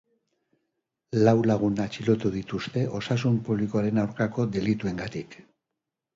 Lau lagun atxilotu dituzte osasun publikoaren aurkako delituengatik.